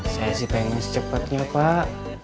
saya sih pengen secepatnya pak